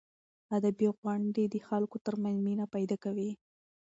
ادبي غونډې د خلکو ترمنځ مینه پیدا کوي.